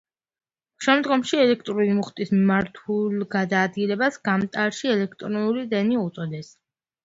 შემდგომში ელექტრული მუხტის მიმართულ გადაადგილებას გამტარში ელექტრული დენი უწოდეს.